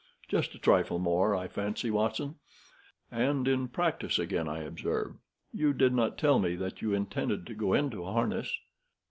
Just a trifle more, I fancy, Watson. And in practice again, I observe. You did not tell me that you intended to go into harness."